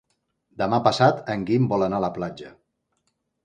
Demà passat en Guim vol anar a la platja.